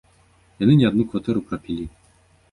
Яны не адну кватэру прапілі!